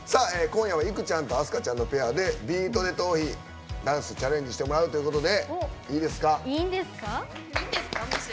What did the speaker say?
今夜はいくちゃんと飛鳥ちゃんのペアで「ビートＤＥトーヒ」ダンス、チャレンジしてもらうということで。